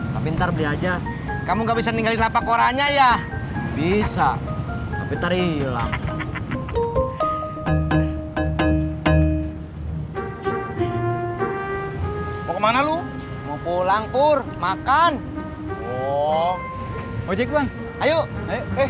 sampai jumpa di video selanjutnya